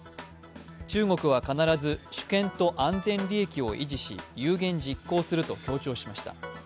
中国は必ず主権と安全利益を維持し、有言実行すると強調しました。